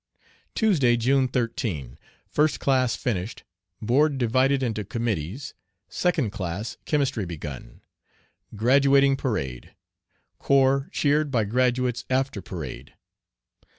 Tuesday, June 13. First class finished. Board divided into committees. Second class, chemistry begun. Graduating parade. Corps cheered by graduates after parade.